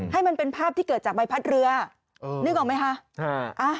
ให้มันเป็นภาพที่เกิดจากใบพัดเรือนึกออกไหมคะ